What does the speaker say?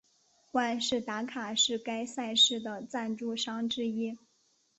万事达卡是该赛事的赞助商之一。